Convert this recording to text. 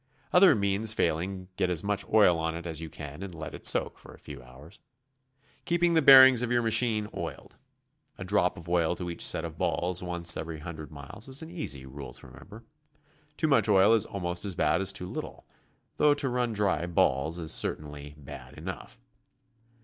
Other means failing, get as much oil on it as you can and let it soak for a few hours. Keep the bearings of your machine oiled. A drop of oil to each set of balls once every hundred miles is an easy rule to remember. Too much oil is almost as bad as too little, though to run dry balls is certainly bad enough.